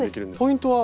ポイントは？